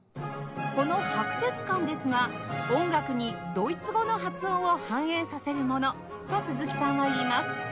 この拍節感ですが音楽にドイツ語の発音を反映させるものと鈴木さんは言います